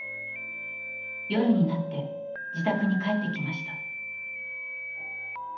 夜になって、自宅に帰ってきました。